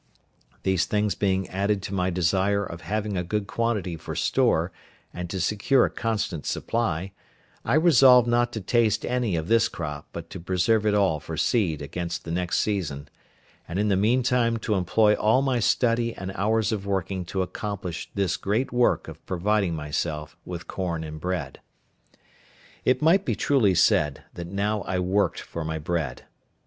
These things being added to my desire of having a good quantity for store, and to secure a constant supply, I resolved not to taste any of this crop but to preserve it all for seed against the next season; and in the meantime to employ all my study and hours of working to accomplish this great work of providing myself with corn and bread. It might be truly said, that now I worked for my bread.